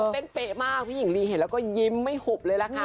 เป๊ะมากพี่หญิงลีเห็นแล้วก็ยิ้มไม่หุบเลยล่ะค่ะ